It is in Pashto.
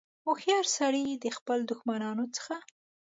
هوښیار سړي د خپلو دښمنانو څخه.